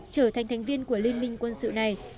trở thành thành viên của liên minh quân sự này